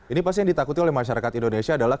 ini pasti yang ditakuti oleh masyarakat indonesia adalah